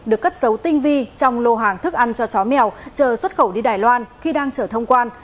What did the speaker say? được cất dấu tinh vi trong lô hàng thức ăn cho chó mèo chờ xuất khẩu đi đài loan khi đang chở thông quan